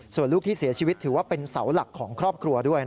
ส่วนลูกที่เสียชีวิตถือว่าเป็นเสาหลักของครอบครัวด้วย